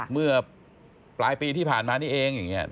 เมื่อปลายปีที่ผ่านมานี่เอง